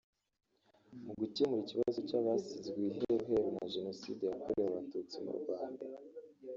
Mu gukemura ikibazo cy’abasizwe iheruheru na Jenoside yakorewe Abatutsi mu Rwanda